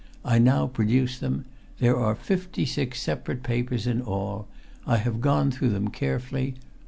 I now produce them. There are fifty six separate papers in all. I have gone through them carefully.